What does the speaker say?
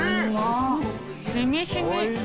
染み染み。